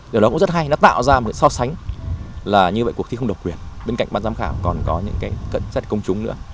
điều đó cũng rất hay nó tạo ra một cái so sánh là như vậy cuộc thi không độc quyền bên cạnh ban giám khảo còn có những cái cận dắt công chúng nữa